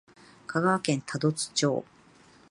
香川県多度津町